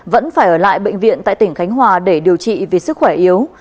vẫn phải ở lại bệnh viện tại tỉnh khánh hòa để điều trị vì sức khỏe yếu